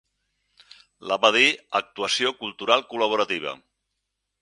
La va dir "Actuació Cultural Col·laborativa".